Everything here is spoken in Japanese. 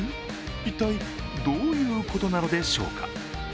一体どういうことなのでしょうか。